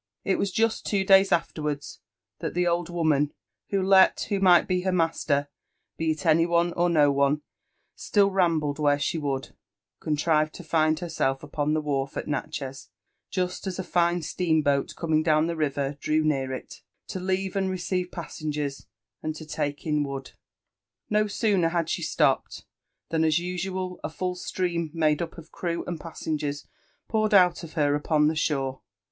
It was just two days afterwards that the old woman, who, let who might be her master, be it any one or no one, still rambled where she would, contrived to find herself upon the wharf at Natche:& just as a fine steam boat coming down the river, drew near it, to leave and re ceive passengers and to take in wood. No sooner had she stopped than, as usual, a fall stream made up of crew and passengers poured out of her upon. the shore.